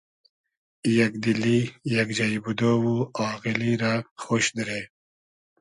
یئگ دیلی ، یئگ جݷ بودۉ و آغیلی رۂ خۉش دیرې